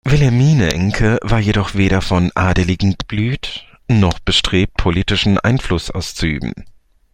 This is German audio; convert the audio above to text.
Wilhelmine Encke war jedoch weder von adeligem Geblüt noch bestrebt politischen Einfluss auszuüben.